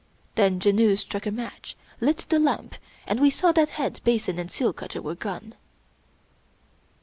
Then Janoo struck a match, lit the lamp, and we saw that head, basin, and seal cutter were gone.